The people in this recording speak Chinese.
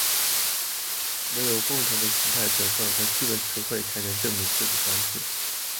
惟有共同的形态成分和基本词汇才能证明这种关系。